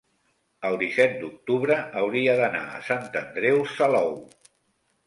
el disset d'octubre hauria d'anar a Sant Andreu Salou.